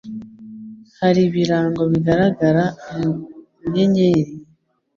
hari Ibirango bigaragara mu nyenyeri,